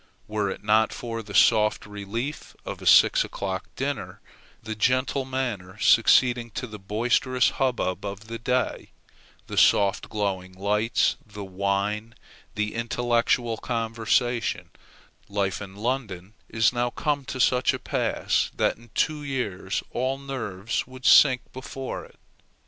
Were it not for the soft relief of a six o'clock dinner, the gentle manner succeeding to the boisterous hubbub of the day, the soft glowing lights, the wine, the intellectual conversation, life in London is now come to such a pass, that in two years all nerves would sink before it.